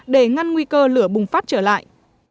để ngăn nguy cơ lửa bùng phát trở lại